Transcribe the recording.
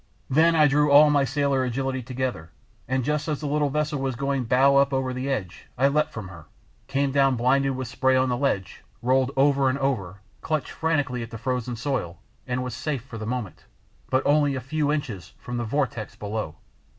Then I drew all my sailor agility together and just as the little vessel was going bow up over the edge I leapt from her came down blinded with spray on the ledge, rolled over and over, clutched frantically at the frozen soil, and was safe for the moment, but only a few inches from the vortex below!